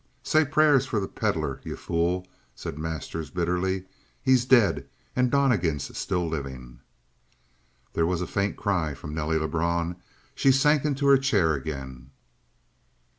"Say prayers for the Pedlar, you fool," said Masters bitterly. "He's dead, and Donnegan's still living!" There was a faint cry from Nelly Lebrun. She sank into her chair again.